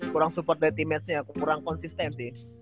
kurang support dari image nya kurang konsisten sih